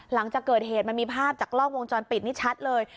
หลังจากเกิดเหตุมันมีภาพจากกล้องวงจรปิดนี่ชัดเลย